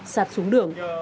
sạt xuống đường